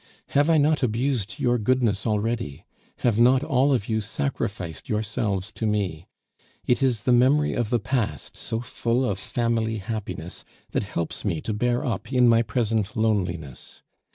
Have I not abused your goodness already? have not all of you sacrificed yourselves to me? It is the memory of the past, so full of family happiness, that helps me to bear up in my present loneliness.